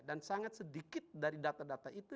dan sangat sedikit dari data data itu